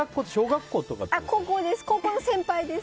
高校の先輩です。